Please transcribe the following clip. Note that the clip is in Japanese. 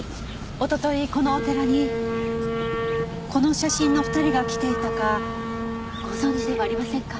一昨日このお寺にこの写真の２人が来ていたかご存じではありませんか？